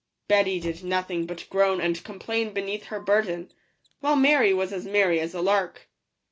Betty did no thing but groan and complain beneath her burden, while Mary was as merry as a lark.